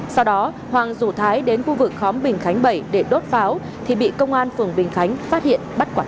sau đó hoàng rủ thái đến khu vực khóm bình khánh bảy để đốt pháo thì bị công an phường bình khánh phát hiện bắt quả tàng